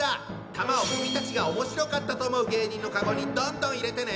玉を君たちがおもしろかったと思う芸人のカゴにどんどん入れてね！